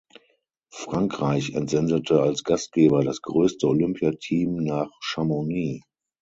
Frankreich entsendete als Gastgeber das größte Olympia-Team nach Chamonix.